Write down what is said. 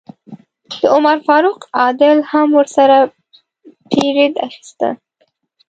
د عمر فاروق عادل هم ورسره پیرډ اخیسته.